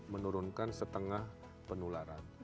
menurunkan setengah penularan